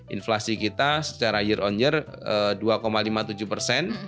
inflasi kita secara year on year dua lima puluh tujuh persen